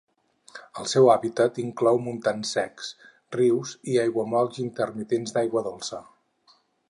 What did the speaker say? El seu hàbitat inclou montans secs, rius i aiguamolls intermitents d'aigua dolça.